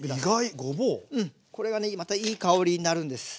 うんこれがねまたいい香りになるんです。